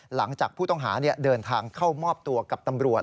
หลังจากผู้ต้องหาเดินทางเข้ามอบตัวกับตำรวจ